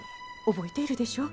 覚えているでしょ。